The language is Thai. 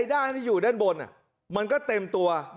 ด้านที่อยู่ด้านบนมันก็เต็มตัว